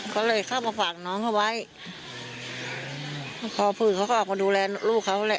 ก็เลยเข้ามาฝากน้องเขาไว้พอผืดเขาก็ออกมาดูแลลูกเขาแหละ